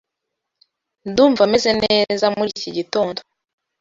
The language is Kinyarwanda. Ndumva meze neza muri iki gitondo.